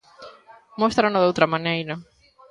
Móstrano doutra maneira.